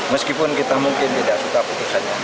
meskipun kita mungkin tidak suka putusannya